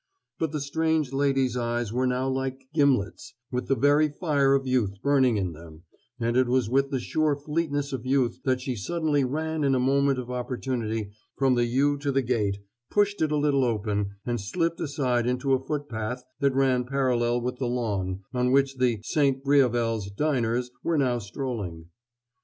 But the strange lady's eyes were now like gimlets, with the very fire of youth burning in them, and it was with the sure fleetness of youth that she suddenly ran in a moment of opportunity from the yew to the gate, pushed it a little open, and slipped aside into a footpath that ran parallel with the lawn on which the "St. Briavels" diners were now strolling.